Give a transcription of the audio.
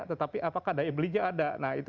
tetapi apakah daya belinya ada nah itu